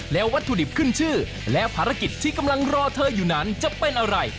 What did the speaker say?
และวัตถุดิบขึ้นชื่อและภารกิจที่กำลังรอเธออยู่นั้นจะเป็นอะไร